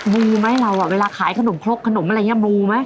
มูมั้ยเราอะเวลาขายขนมครบขนมอะไรงี้มูมั้ย